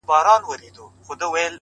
ستـړو ارمانـونو په آئينـه كي راتـه وژړل!